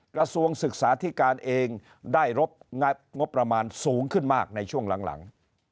กระทรวงศึกษาธิการเองได้รับงบประมาณสูงขึ้นมากในช่วงหลัง